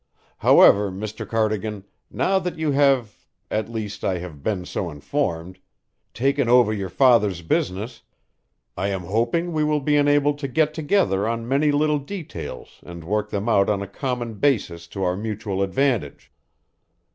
However, Mr. Cardigan, now that you have at least, I have been so informed taken over your father's business, I am hoping we will be enabled to get together on many little details and work them out on a common basis to our mutual advantage.